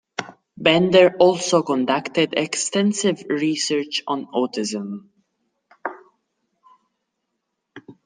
Bender also conducted extensive research on autism.